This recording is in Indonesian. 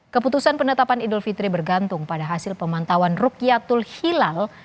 keputusan penetapan idul fitri bergantung pada hasil pemantauan rukyatul hilal